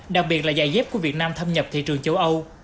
đặc biệt là dày dép của việt nam thâm nhập thị trường châu âu